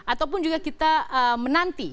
ataupun juga kita menanti